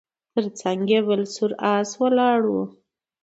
تر څنګ یې بل سور آس ولاړ و